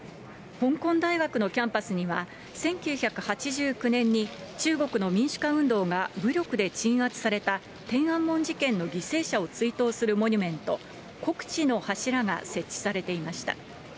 香港大学のキャンパスには、１９８９年に中国の民主化運動が武力で鎮圧された、天安門事件の犠牲者を追悼するモニュメント、国恥の柱が設置されていました。